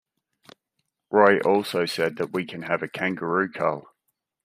Roy also said that we can have a kangaroo cull.